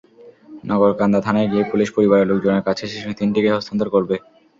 নগরকান্দা থানায় গিয়ে পুলিশ পরিবারের লোকজনের কাছে শিশু তিনটিকে হস্তান্তর করবে।